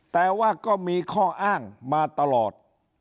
แต่ว่าก็มีข้ออ้างมาตลอด